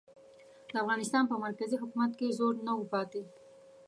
د افغانستان په مرکزي حکومت کې زور نه و پاتې.